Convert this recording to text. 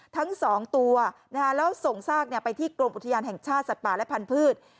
ทั้งสองตัวนะคะแล้วส่งซากเนี่ยไปที่กรมอุทยานแห่งชาติสัตว์ป่าและพันธุ์พืช